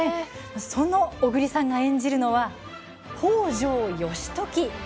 その小栗さんが演じるのは北条義時。